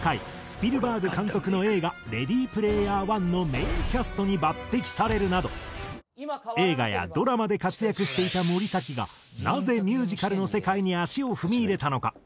スピルバーグ監督の映画『レディ・プレイヤー１』のメインキャストに抜擢されるなど映画やドラマで活躍していた森崎がなぜミュージカルの世界に足を踏み入れたのか？